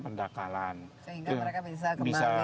pendangkalan sehingga mereka bisa